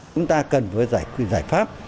chúng ta cần phải giải quyết giải pháp